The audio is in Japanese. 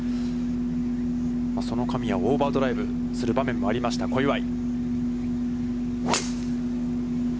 その神谷をオーバードライブする場面もありました、小祝。